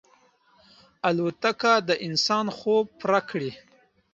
الوتکه د انسان خوب پوره کړی.